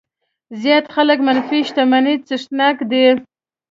زیات خلک منفي شتمنۍ څښتنان دي.